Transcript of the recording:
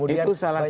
itu salah satu